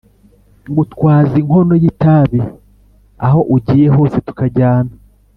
ngutwaza inkono y' itabi aho ugiye hose tukajyana".